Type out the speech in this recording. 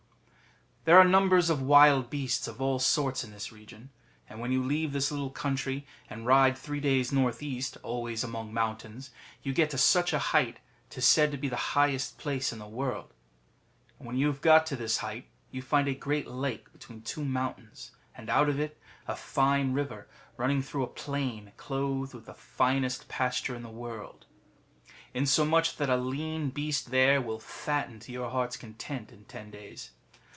^ There are numbers of wild beasts of all sorts in this region. And when you leave this little country, and ride three days north east, always among mountains, you get to such a height that 'tis said to be the highest place in the world ! And when you have got to this height you find [a great lake between two mountains, and out of it] a fine river running through a plain clothed with the finest pasture in the world ; insomuch that a lean beast there will fatten to your heart's content in ten days.